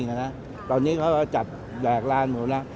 ตอนนี้เขาก็จับแบกร้านหมดแล้ว